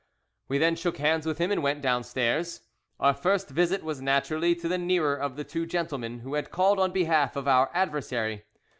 We then shook hands with him and went downstairs. Our first visit was naturally to the nearer of the two gentlemen who had called on behalf of our adversary.